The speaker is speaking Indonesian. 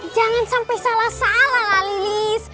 jangan sampai salah salah lah lilis